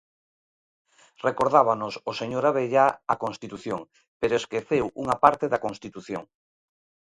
Recordábanos o señor Abellá a Constitución, pero esqueceu unha parte da Constitución.